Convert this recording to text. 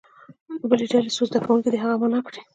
د بلې ډلې څو زده کوونکي دې هغه معنا کړي.